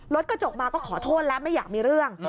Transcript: รถกระจกมาก็ขอโทษแล้วไม่อยากมีเรื่อง